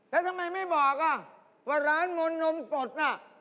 แล้วทำไมไม่บอกอ่ะว่าร้านมนต์นมสดน่ะ